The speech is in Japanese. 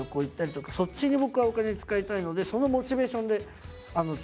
そっちに僕はお金使いたいのでそのモチベーションで貯金は頑張ってますかね。